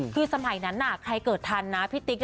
คือสมัยนั้นใครเกิดทันนะพี่ติ๊ก